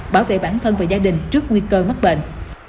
bảo vệ bản thân và gia đình trước nguy cơ mắc bệnh